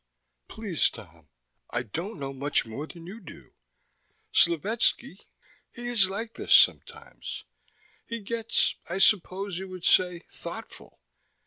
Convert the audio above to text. "Please, Tom, I don't know much more than you do. Slovetski, he is like this sometimes. He gets, I suppose you would say, thoughtful.